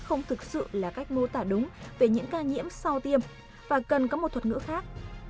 không thực sự là cách mô tả đúng về những ca nhiễm sau tiêm và cần có một thuật ngữ khác